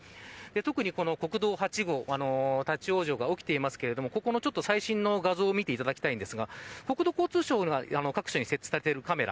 特に、この国道８号立ち往生が起きていますけどここの最新の画像を見ていただきたいんですが国土交通省が各地に設置されているカメラ。